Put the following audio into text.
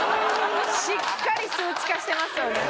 しっかり数値化してますよね。